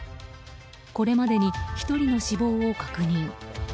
これまでに１人の死亡を確認。